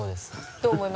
どう思います？